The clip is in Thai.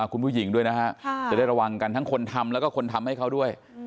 คุณผู้หญิงด้วยนะฮะจะได้ระวังกันทั้งคนทำแล้วก็คนทำให้เขาด้วย